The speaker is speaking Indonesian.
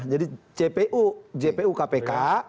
jadi cpu cpu kpk